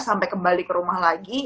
sampai kembali ke rumah lagi